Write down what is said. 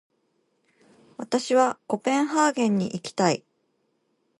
私はコペンハーゲンに行きたい。